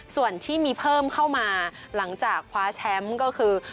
ส่วนที่มีเพิ่มเข้ามาหลังจากคว้าแชมป์ก็คือ